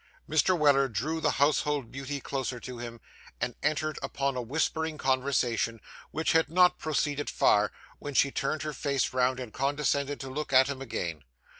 Mr. Weller drew the household beauty closer to him, and entered upon a whispering conversation, which had not proceeded far, when she turned her face round and condescended to look at him again.